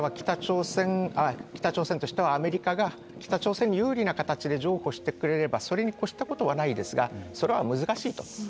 北朝鮮としてはアメリカが北朝鮮に有利な形で譲歩してくれればそれに越したことはないですがそれは難しいと。